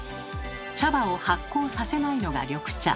茶葉を発酵させないのが緑茶。